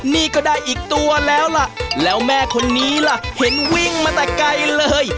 นี่ก็ได้อีกตัวแล้วล่ะแล้วแม่คนนี้ล่ะเห็นวิ่งมาแต่ไกลเลย